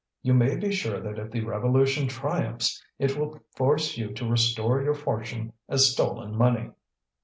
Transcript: You may be sure that if the revolution triumphs, it will force you to restore your fortune as stolen money."